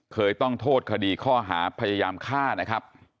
เคยต้องโทษคดีข้อหาพยายามฆ่านะครับ